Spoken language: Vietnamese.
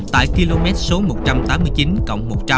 tại km số một trăm tám mươi chín cộng một trăm linh